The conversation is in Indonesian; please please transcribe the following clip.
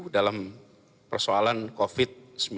dalam persoalan covid sembilan belas